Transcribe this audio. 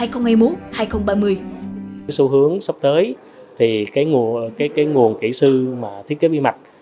số hướng sắp tới thì cái nguồn kỹ sư thiết kế vi mạch